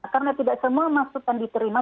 karena tidak semua masukan diterima